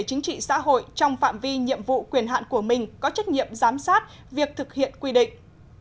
chính trị xã hội trong phạm vi nhiệm vụ quyền hạn của mình có trách nhiệm giám sát việc thực hiện quy định